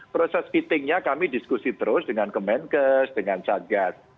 proses fittingnya kami diskusi terus dengan kemenkes dengan satgas